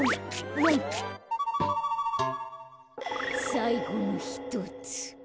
さいごのひとつ。